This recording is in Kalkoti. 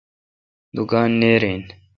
دوکان نیر این۔